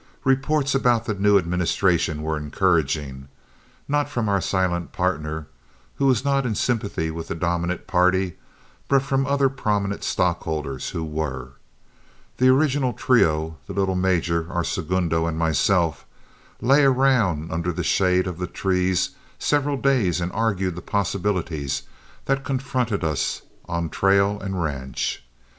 Reports about the new administration were encouraging not from our silent partner, who was not in sympathy with the dominant party, but from other prominent stockholders who were. The original trio the little major, our segundo, and myself lay around under the shade of the trees several days and argued the possibilities that confronted us on trail and ranch.